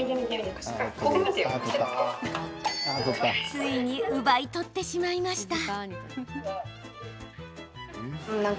ついに奪い取ってしまいました。